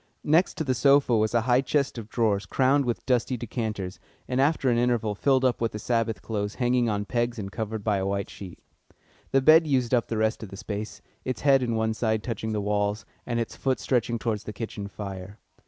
Next to the sofa was a high chest of drawers crowned with dusty decanters, and after an interval filled up with the Sabbath clothes hanging on pegs and covered by a white sheet; the bed used up the rest of the space, its head and one side touching the walls, and its foot stretching towards the kitchen fire.